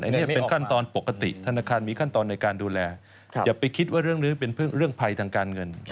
อันนี้เป็นขั้นตอนปกติธนาคารมีขั้นตอนในการดูแลอย่าไปคิดว่าเรื่องนี้เป็นเรื่องภัยทางการเงิน